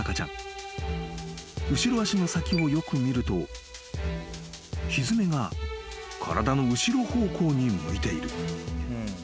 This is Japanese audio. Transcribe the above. ［後ろ脚の先をよく見るとひづめが体の後ろ方向に向いている］